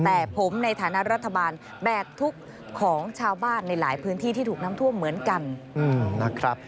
แต่ผมในฐานะรัฐบาลแบกทุกข์ของชาวบ้านในหลายพื้นที่ที่ถูกน้ำท่วมเหมือนกันนะครับ